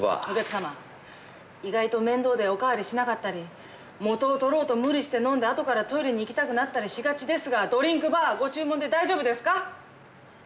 お客様意外と面倒でお代わりしなかったり元を取ろうと無理して飲んで後からトイレに行きたくなったりしがちですがドリンクバーご注文で大丈夫ですか？